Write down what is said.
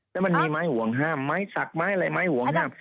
แล้วมันมีไม้ห่วงห้ามไม้สักไม้อะไรไม้ห่วงห้าม